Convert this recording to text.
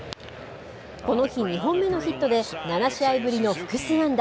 この日２本目のヒットで７試合ぶりの複数安打。